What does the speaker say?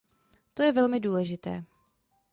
To je velmi důležité.